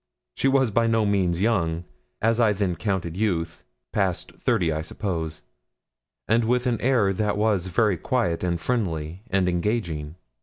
She was by no means young, as I then counted youth past thirty, I suppose and with an air that was very quiet, and friendly, and engaging.